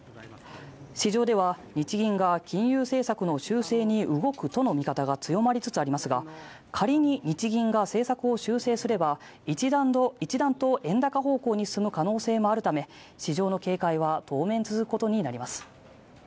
市場では日銀が金融政策の修正に動くとの見方が強まりつつありますが仮に日銀が政策を修正すれば一段と円高方向に進む可能性もあるため市場の警戒は当面続くことになります。